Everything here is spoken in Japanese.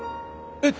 えっ！